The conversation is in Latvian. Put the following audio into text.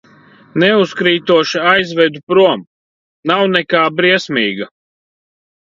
Neuzkrītoši aizvedu prom, nav nekā briesmīga.